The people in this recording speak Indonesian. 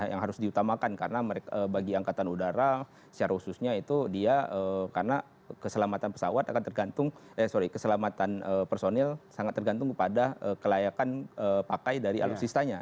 yang harus diutamakan karena bagi angkatan udara secara khususnya itu dia karena keselamatan pesawat akan tergantung eh sorry keselamatan personil sangat tergantung kepada kelayakan pakai dari alutsistanya